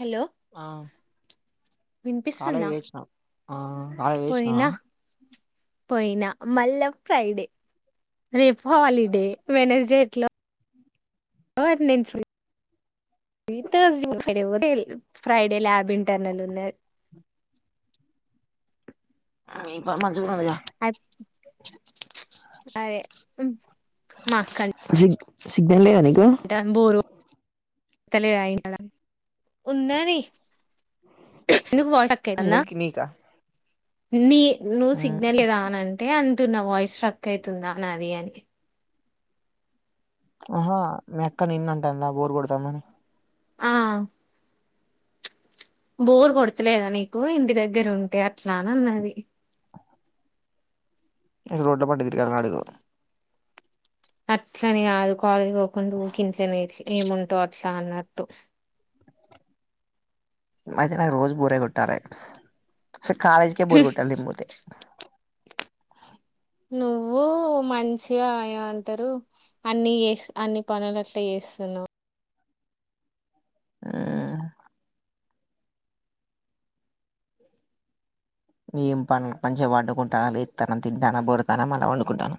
Hello ఆ కాలె‌ వినిపిస్తుందా ఎసిన ఆ కాలె ఎసినవ పోయినా పోయినా మళ్ళ ఫ్రైడే రేపు హాలిడే వెనెస్ డే ఎట్ల ఒ నేన్ ఫ్రీ విత [inaudible] ఫ్రైడే ల్యాబ్ ఇంటర్నల్ ఉన్నా ఆ ఈప మజ్జు మలయ అ అదే మ్ మా క్కల్ జింక్ సిగ్నల్ లేదా నీకు దన్ బూరు తెలిద [inaudible] ఉన్నవి [inaudible] ఎవలికి నీకా నీ నువ్వు సిగ్నల్ లేదా అని అంటే అంటున్న వాయిస్ ట్రక్ అవుతుందా నాది అని. ఆహా మీ అక్క నిన్నాంటాందా బోరు కొడతాందని. ఆ. బోర్ కొడత లేదా‌ నీకు ఇంటి దగ్గర ఉంటే అట్లా అనన్నది. ఈ‌ రోడ్ల పొంటి తిరగాలా అడుగు. అట్లనే ఆల్కోకాలేజ్ పోకుండా ఊకే ‌ ఇంట్లనే డిసి ఏముంటావ్ అక్క అన్నట్టు. మతే నా రోజ్ బోరే కొట్టాలే స కాలేజ్ కే బోర్ కొట్టాలే నీబ్బోతే. నువ్వూ మంచిగా ఏమంటరు. అన్ని చేస్ అన్ని పనులు అట్లా చేస్తున్నావు. మేం పను మంచిగా వండుకుంటా లే తనం తింటాన బొరుతన మన వండుకుంటాను.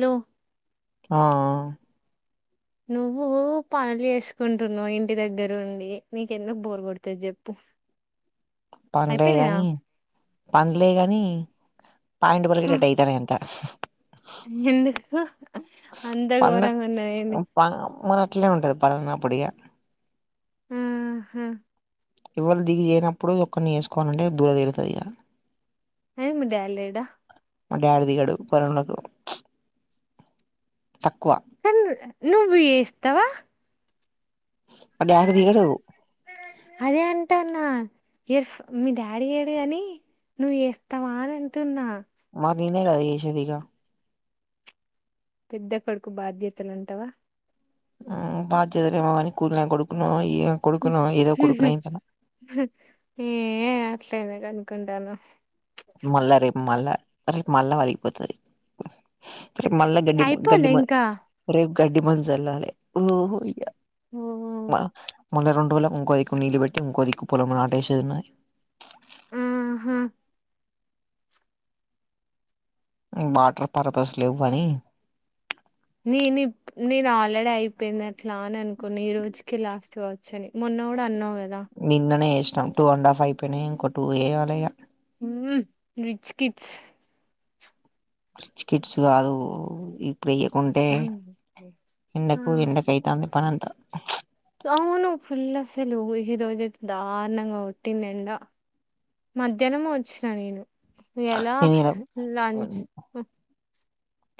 లో. ఆ. నువ్వు పనులు చేసుకుంటున్నావ్ ఇంటి దగ్గరుండి నీకెందుకు బోరుకొడుతది చెప్పు. పన్లే అయిపోయినాయా కానీ పన్ లేకానీ. పాయింట్ హ పలిగినట్టు అయితాందితంత. ఎందుకు అంత ఘోరంగా ఉన్నాయండి. వా మర అట్లే ఉంటది పల్న్న పొడిగ. ఊహు. ఎవళ్ దిగి చేయనప్పుడు ఒక్కరిని చేసుకోవాలంటే దూలతీరుతది ఇక. టైము జాల్లేద. మా డాడీ దిగడు పనోళ్లకు. తక్కువ. అన్ నువ్వు ఈస్తావా. అ డ్యాడ్ దిగడు. అదే అంటన్న ఎస్ మీ డాడీ ఏడి అని. నువ్ వేస్తావా అని అంటున్నా. మాకిన్నే కదా చేసే దిగా. పెద్ద కొడుకు బాధ్యతలు అంటావా. ఉ బాధ్యతలే మానీ కూల్ కొడుకున ఇయ్య. ఏ అట్లెందుకనుంటన్నవ్. మళ్ళా రేపు మళ్ళా రేపు మళ్ళా వలిగిపోతది. రేప్ మల్లా గడ్డి గడ్డి అయిపోలే మ ఇంకా రేప్ గడ్డి మ చల్లాలే ఓహో. ఓ. మ మళ్ళీ రెండు రోజుల ఇంకో దిక్కు నీళ్ళు పెట్టి ఇంకో దిక్కు పొలము నాటేసేది ఉన్నాయి. ఆహా. వాటర్ పర్పస్ లేవ్వని. నీనీ. నేను ఆల్రెడీ అయిపోయింది అట్లా అని అనుకున్నా ఈ రోజుకి లాస్ట్ కావచ్చని మొన్న కూడా అన్నావు కదా. నిన్ననే వేసినాం టూ అండ్ హాఫ్ అయిపోయినాయి ఇంకో టూ ఎయ్యాలి ఇక. ఉ రిచ్ కిడ్స్. రిచ్ కిడ్స్ కాదు. వేయకుంటే ఎండకు ఎండక అయితుంది పని అంత. అవును ఫుల్ అసలు ఈరోజైతే దారుణంగా కొట్టింది ఎండ. మధ్యాహ్నం వచ్చినా నేను ఎలా లంచ్.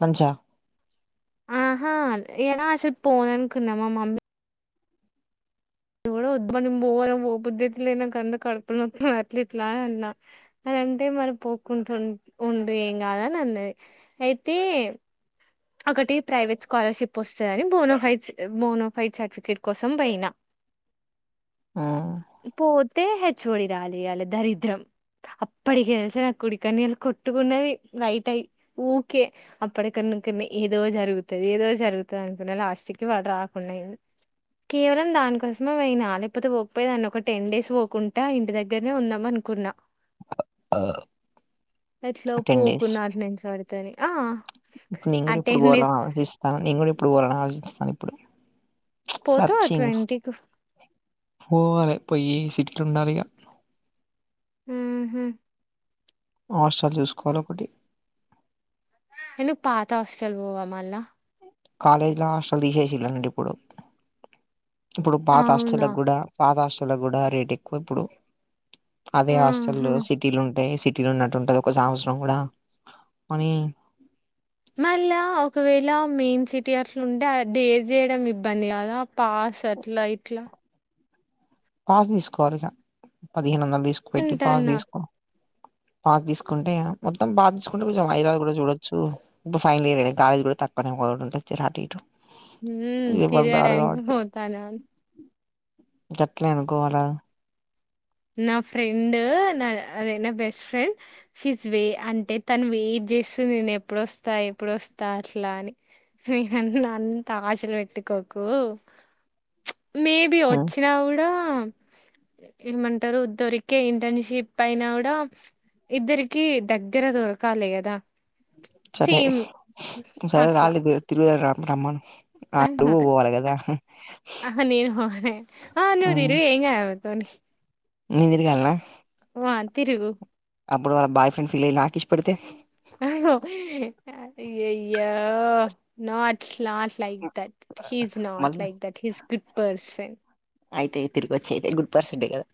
లంచా ఆహా ఏరా ఆస్సల్ పొన్నాన్కున్నావా మమ్మీ ఎవడో వొద్మానం పో పోబుద్ధ అయితేలేదు నాకనకడుపునొప్పి అట్లీల్లా అన్నా అదంటే మనం పోక్కుంటు ఉండు ఏం కాదు అని అన్నది అయితే అక్కటి ప్రైవేట్ స్కాలర్షిప్ వస్తుంది అని బోనఫై బోనఫైట్ సర్టిఫికేట్ కోసం పోయినా ఆ పోతే హెచ్చుఓడిగాలియాలి దరిద్రం అప్పటికి తెల్సిన నా కుడికన్నీళ్ళ కొట్టుకున్నది రలైట్ అయి ఊకే అక్కడికన్ను అ ఏదో జరుగుతది ఏదో జరుగుతుంది అనుకున్నా లాస్ట్ కి వాడు రాకుండా అయ్యిండు కేవలం దానికోసమే పోయినా లేకపోతే పోకపోయ దాన్ని ఒక టెన్ డేస్ పోకుంట ఇంటి దగ్గ దగ్గరనే ఉందమ్మాన్కున్న ఎట్లో టెన్ డేస్ పోకున్నటి నించబడితేని ఆ ఇప్పుడు నేను ఆ కూడా ఇప్పుడు పోవాల డేస్ ఆలోచిస్తాను నేను కూడా ఇప్పుడు పోవాలని ఆలోచిస్తాను ఇప్పుడు పోతా సర్చంగ్ పోవాలే పోఈ సిటీట్ ఉండాలగ హహ్మ్ హాస్టల్ చూస్కోవాలి ఒకటి ఎందుకు పాత హాస్టల్ పోవ మళ్ళా కాలేజిలో హాస్టల్ తీసేసింద్రు ఇప్పుడు ఇప్పుడు పాత అవునా! హాస్టలక్కూడా పాతా హాస్టల్ కూడా రేట్ ఎక్కువ ఇప్పుడు అదే హాస్టల్ ఆహా! సిటీలు ఉంటాయి సిటీలో ఉన్నట్టు ఉంటది ఒక సంవత్సరం కూడా మనీ మళ్ళా ఒకవేళ మెయిన్ సిటీ అట్లు ఉంటే డేర్ చేయడం ఇబ్బంది కదా పాస్ అట్లా ఇట్లా పాస్ తీస్కోవాలిక పదిహేను వందలు తీస్కుపెట్టి పాస్ అంటాన్నా. తీస్కో పాస్ తీస్కుంటే మొత్తం పాస్ తీస్కుంటే కొంచెం హైదరాబాద్ కూడా చూడొచ్చు ఇప్పుడు ఫైనల్ ఇయరె కాలేజి కూడా తకున్న [unintelligible] హ్యాపీగా హ తిర్గడానికి పోతాన ఆట్లా అనుకోవాలా నా ఫ్రెండ్ నా అదె న బెస్ట్ ఫ్రెండ్ షీఈ జ్ వెయిట్అంటే తను వెయిట్ చేస్తు నేను ఎప్పుడొస్తా ఎప్పుడుొస్తా అట్లా అని హ్మ్ హ్మ్ అంత ఆశలు పెట్టుకోకు మేబి ఉమ్, వచ్చినా కూడా ఏమంటారు దొరికే ఇంటర్న్షిప్ పయినా కూడా ఇద్దరికి దగ్గర దొరకాలి కదా సరే సేమ్ సరే అట్లా రాలిదు తిరుగుదాము రామ్మను ఆ ఆహా, అరువు పోవాలి కదా నేను పోలె ఆ నువ్వు దీరుగు ఏం కాదు తోని నేన్తిరగాల్నా వా తిరుగు అప్పుడు వాల్లా బాయ్ ఫ్రెడ్ ఫీల్ఐయ్యి నాకు కిస్ పెడితే అయ్యయ్యో NATS last like that he is not మళ్ళీ like that he's good person అయితే తిరిగొచ్చేతే గుడ్ పర్సెడే కదా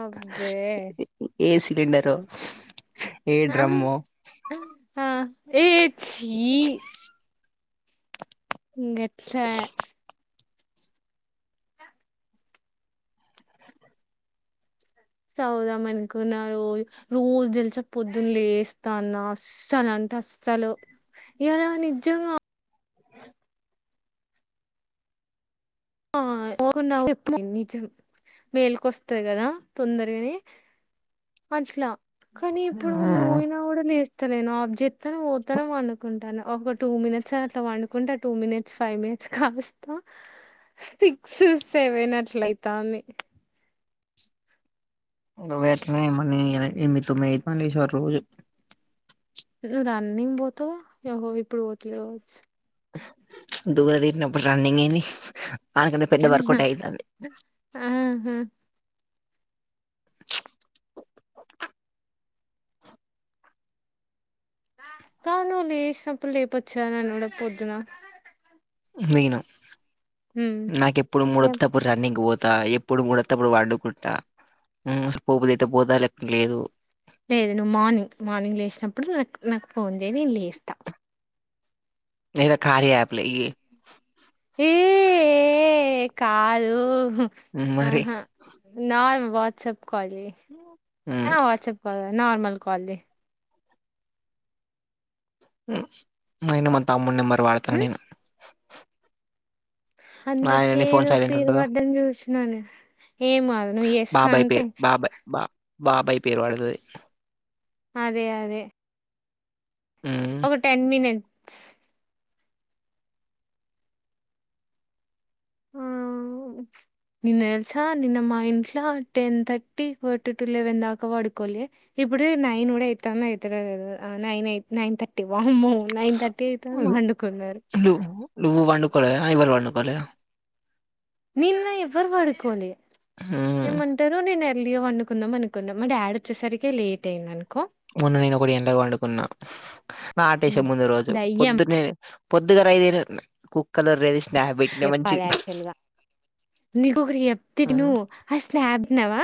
అబ్బే. ఏ సిగండరో ఏ డ్రమ్మో. అ ఆ ఏ చ్చి. ఇగ ఎట్లా. చవుదాం అనుకున్నా రోజు తెలుసా పొద్దున్న లేస్తాన్న. అస్సలు అంటే అస్సలు ఈయాలా నిజంగా. ఆ నిజం మేల్కొస్తది కదా తొందరగనే. అట్లా కనీ ఇప్పుడు మోయినా కూడా లేస్. అ నేను ఆబ్ చెత్తను పోతాను వండుకుంటాను ఒక టూ మినిట్స్ అట్లా వండుకుంటాను టూ మినిట్స్ ఫైవ్ మినిట్. ఖాస్తా. సిక్స్ సెవెన్ అట్లా అయితాంది. నువ్వు ఎట్లనో ఏమో నేను ఎలా ఎనిమి తొమ్మి అయితుందంది లిసేవరకు రోజు. నువ్వు రన్నింగ్ పోతవ్ హో ఇప్పుడు పోతలేవు. దూలా తిరినప్పుడు రన్నింగ్ ఏంది ఆనకంత పెద్ద వర్కౌట అయితా. ఆ హా. క్క నువ్వు లేచినప్పుడు లేపచ్చుగా నన్ను కూడా పొద్దున. పోయినం ఉమ్. నాకెప్పుడూ మూడత్తే అప్. అప్పుడు రన్నింగ్ పోతా ఎప్పుడు ముడత్తే అప్పుడు పండుకుంటా. ఊ పోపుదైతే పోతా లేకపోతే లేదు. లేదు నువ్వు మార్నింగ్ మార్నింగ్ లేసినప్పుడు నాకు నాకు ఫోన్ చేయ్ నేను లేస్తా. లేదా కార్ యాప్ లో ఇయ్యి. ఏకాదు మరి ఆహా. నార్ వాట్సప్ కాల్ చెస్. నో. ఆ వాట్సప్ కాల్ నార్మల్ కాల్ చెయ్. ఐనా మా తమ్ముడి నెంబరు వాడతాన హ్మ్ నేను. ఆయన నీ ఫోన్ అందుకేదొ సైలెంట్ పేరు ఉంటుందా పడ్డం చూసిన నేను ఏమవ్ నో ఎస్సా అంటే. ఆ అబ్బాయి బా. బాబాయ్ పేరు పడతది. అదే అదే. మ్మ్ ఒక టెన్ మినిట్. ఆ ఊ. నిన్న తెలుసా నిన్న మా ఇంట్ల ten thirty forty to eleven దాకా పడుకోలె. ఇప్పుడు నైన్ కూడా ఎయి అయితుడ లేదు నైన్ ఎయి నైన్ థర్. వామ్మో నైన్ థర్టీ అయితు వండుకున్నారు. నువ్వు వండుకోలేదా ఎవరు వండుకోలేదా. నిన్న ఎవ్వరు వాడుకోలే మ్మ్ ఏమంటారు నేను ఎర్లిగాో వండుకుందాం అనకున్ మా డాడ్ వచ్చేసరికి లేట్ అయిందనుకో. మొన్న నేను ఒకటి ఎండగా వండుకున్నా నా ఆటేసే హ్మ్. ముందు రోజు దయ్యం పొద్దున్నే. పొద్దుగారయితే కు. కలర్ రేది స్నాప్. పెట్టినా చెప్పాలి మంచిగా యాక్చువల్ గా నీకొకటి చెప్తే ఇను. ఆ స్నాబ్ నవా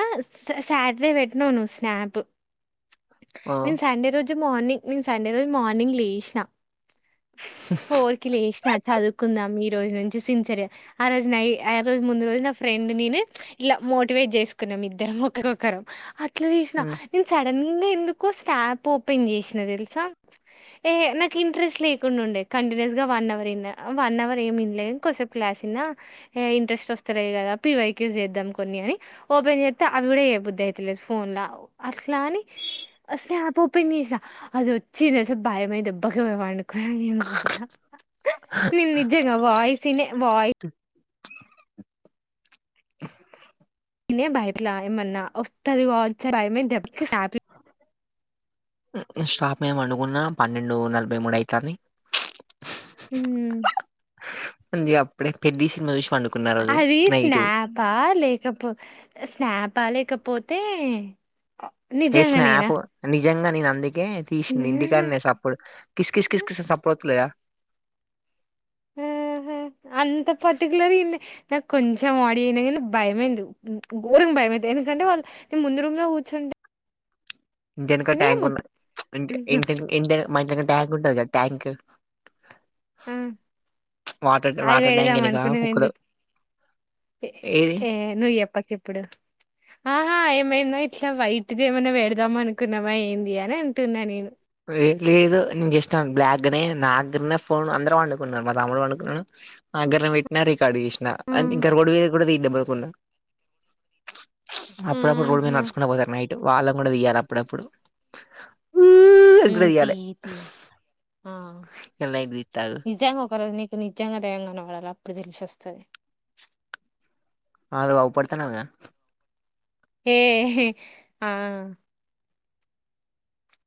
సాటర్డే పెట్టనవు ను స్నాప్. ఆ నేను సండే రోజు మార్నింగ్ నేను సండే రోజు మార్నింగ్ లేసినా. ఫోర్ కి లేసినా చదువుకుందాం ఈ రోజు నున్. పిల్సిన్ సరే ఆ రోజు నై ఆ రోజు ముందు రోజు నా ఫ్రెండ్ నేను ప్చ్ ఇలా మోటివేట్ చేసుకున్నాం ఇద్దరం ఒక్కరొక్కరం అట్లా తీసిన ఆ నేను సడన్ గా ఎందుకో స్టాప్ ఓపెన్ చేసినా తెలుసా టే నాకు ఇంట్రెస్ట్ లేకుండా ఉండే కంటిన్యూస్ గా one hour in one hour ఏమినలేదు. కొసేపు క్లాస్ ఇన్నా ఏ ఇంట్రెస్ట్ వస్తలే కదా పివై క్యూ చేద్దాం కొన్ని అని ఓపెన్ చేత్తే అవి కూడా ఏ బుద్ధి అయితలేదు ఫోన్లవ్ అట్లా అని అస్లే ఆయాప్ ఓపెన్ చేసా అది వచ్చి నస భయమై దెబ్బకి పోయి పాన్డు కాని నీవల్ల ప్చ్ హ్ నేను నిజంగా వాయిస్ వినే వాయి తిన్ నేనే బైయిట్లా ఏమన్నా వస్తది కావచ్చు అని భయమైంది దెబ్బకి సాపి స్టాప్ మేము వండుకున్న పన్నెండు నలభై మూడు అయితంది. ప్చ్ ఉమ్మ్ పంది అప్పుడే పెద్ది సినిమా చూసి పండుక్ ఆ రీస్ స్నాబ్ బా లేకపో స్నాప లేకపోతే ఆ ఏ స్నాప్ నిజంగా నేను అందుకే తీసింది ఇంటికన్నే సప్పుడు కిస్ కిస్ కిస్ కిస్ స్ సప్పుడు వస్తలేదా అ అంతా పర్టికులర్ ఇన్నా నాకు కొంచెం ఆడియో వినగానే భయమైంది. మ్ మ్ ఘోరంగా భయమైంది ఎందుకంటే వాళ్ళు ఈ ముందు రూమ్ లో కూర్చుంటే ఇంటి వెనెక ట్యాంక్ ఉన్న మొత్తం ప్చ్, ఇంటె ఇంటివెనుక్ ఇంటి వెనక, మా ఇంట్లో ఇంక ట్యాంక్ ఉంటది. కదా ట్యాంక్ ఆ, ప్చ్ వాటర్డ్ అది వాటర్ ట్యాంక్ పెడదాం వెనకా అనుకునేది కుక్కుడు ఏ ఏందో ఈ అప్పకి ఇప్పుడు ప్చ్ ఆహా ఏమైందో ఇట్లా వైట్ ది ఏమైనా పెడదామా అనుకున్నామా ఏంది అని అంటున్నా నేను వే లేదు నేను జస్ట్ ఆన్ బ్లాక్ గ్గాన్నే నాగ్గర్నే ఫోన్ అందరూ వండుకున్నారు మా తమ్ముడు వండుకున్నాను. అగ్గరం పెట్టినా రికార్డు చేసినా అంతే ఉమ్, ఇంకా రోడ్డు మీద కూడా తీద్దాం రా కొన్నా ప్చ్ ప్చ్ అప్పుడప్పుడు రోడ్డు మీద ఆహా నడుచుకునే పోతారు నైట్ వాళ్ళక్ గుండదియ్యాల అప్పుడప్పుడు ప్చ్ ఊ హ్మ్ తీయి తీ ఆ ఇయాల నైట్ తీత్త ఆగు నిజాంగా ఒక రోజు నీక్ నీకు నిజ్యంగా దయ్యం గానబడాలి అప్పుడు తెలిసొస్తది ఆగ్ ఆవ్ పడితేనే కదా ఏ ఏహే ఆ